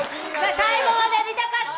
最後まで見たかった。